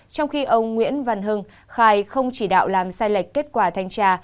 trong khi ông nguyễn văn hưng khai không chỉ đạo làm sai lệch kết quả thanh tra